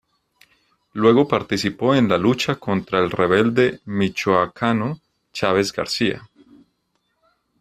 Luego participó en la lucha contra el rebelde michoacano Chávez García.